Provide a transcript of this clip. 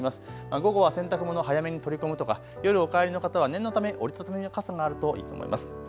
午後は洗濯物早めに取り込むとか、夜お帰りの方は念のため折り畳み傘があるといいと思います。